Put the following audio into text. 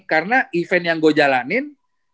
karena event yang gue jalanin